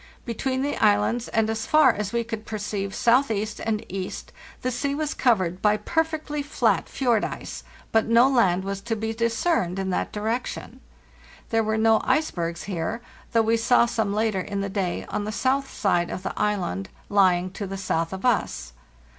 * Between the islands, and as far as we could perceive southeast and east, the sea was covered by per fectly flat fjord ice, but no land was to be discerned in that direction. There were no icebergs here, though we saw some later in the day on the south side of the island lying to the south of us.